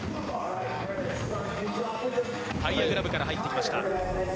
タイヤグラブから入ってきました。